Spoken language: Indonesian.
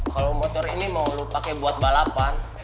kalau motor ini mau pakai buat balapan